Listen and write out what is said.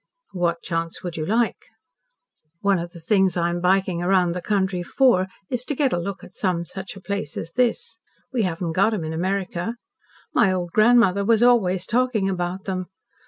"What chance would you like?" "One of the things I'm biking over the country for, is to get a look at just such a place as this. We haven't got 'em in America. My old grandmother was always talking about them.